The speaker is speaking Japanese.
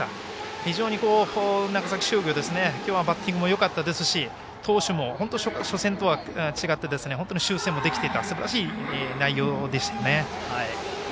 非常に長崎商業今日はバッティングもよかったですし投手も初戦とは違って本当に修正もできていたすばらしい内容でした。